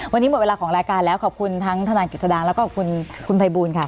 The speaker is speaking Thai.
วันนี้หมดเวลาของรายการแล้วขอบคุณทั้งธนาฬิกฤษฎาและคุณภัยบูรณ์ค่ะ